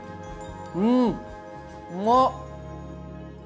うんうま！